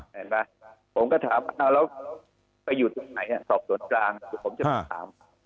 เห็นไหมผมก็ถามแล้วไปอยู่ที่ไหนสอบส่วนกลางผมจะถาม